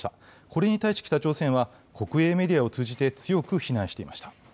これに対して北朝鮮は、国営メディアを通じて強く非難していました。